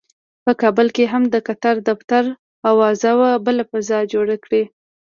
په کابل کې هم د قطر دفتر اوازو بله فضا جوړه کړې.